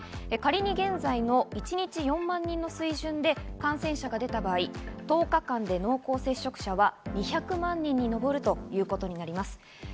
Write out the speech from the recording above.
仮に現在の一日４万人の水準で感染者が出た場合、１０日間で濃厚接触者は２００万人にのぼるということになります。